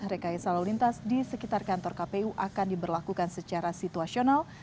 rekayasa lalu lintas di sekitar kantor kpu akan diberlakukan secara situasional